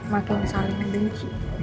makin saling benci